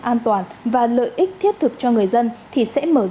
an toàn và lợi ích thiết thực cho người dân thì sẽ mở rộng